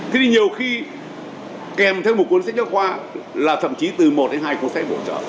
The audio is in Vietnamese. thì nhiều khi kèm theo một cuốn sách giáo khoa là thậm chí từ một đến hai cuốn sách bổ trợ